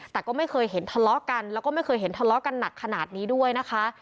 แต่ก็ไม่เคยเห็นทะเลาะกันแล้วก็ไม่เคยเห็นทะเลาะกันหนักขนาดนี้ด้วยนะคะ